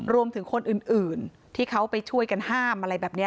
รวมถึงคนอื่นที่เขาไปช่วยกันห้ามอะไรแบบนี้